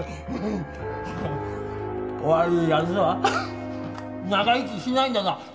悪い奴は長生きしないんだな。